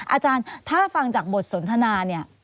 อาจารย์ถ้าฟังจากบทสนทนาเนี่ย